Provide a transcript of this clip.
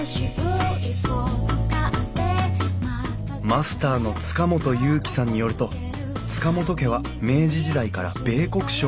マスターの塚本勇喜さんによると塚本家は明治時代から米穀商を営んでいた。